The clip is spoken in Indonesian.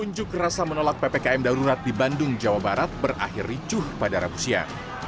unjuk rasa menolak ppkm darurat di bandung jawa barat berakhir ricuh pada rabu siang